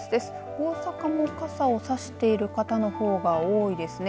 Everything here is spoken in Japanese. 大阪も傘を差している方のほうが多いですね。